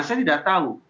saya tidak tahu